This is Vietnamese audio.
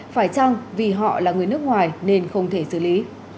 phải chăng vì họ là người nước ngoài nên không thể xử lý